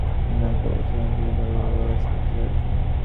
যখন তোমার এই গোঁড়ামি থাকিবে না, কেবল তখনই তুমি ভালভাবে কাজ করিতে পারিবে।